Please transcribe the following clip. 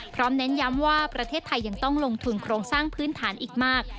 เน้นย้ำว่าประเทศไทยยังต้องลงทุนโครงสร้างพื้นฐานอีกมาก